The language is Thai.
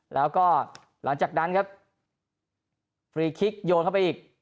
แล้วก็หลังจากนั้นครับฟรีคิกโยนเข้าไปอีก